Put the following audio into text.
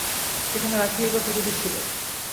সেখানা রাখিলেই বা ক্ষতি কী ছিল।